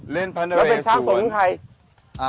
แล้วเป็นช้างสวนของใคร